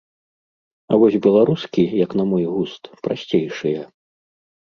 А вось беларускі, як на мой густ, прасцейшыя.